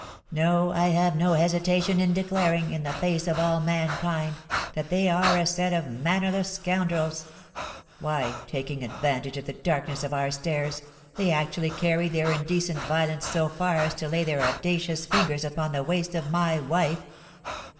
"No! I have no hesitation in declaring, in the face of all mankind, that they are a set of mannerless scoundrels. Why, taking advantage of the darkness of our stairs, they actually carried their indecent violence so far as to lay their audacious fingers upon the waist of my wife.